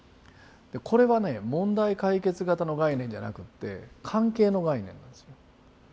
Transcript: これはね問題解決型の概念じゃなくって関係の概念なんです。